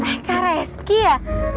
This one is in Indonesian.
eh kak reski ya